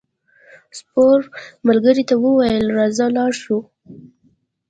سپور ملګري ته وویل راځه لاړ شو.